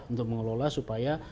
untuk mengelola supaya